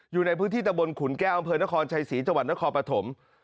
อยู่ในพื้นที่ตะบลขุนแก้วบนครชัยศรีจนครปฐม